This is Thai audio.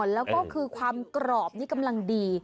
แล้วก็คือความกรอบนี่กำลังดี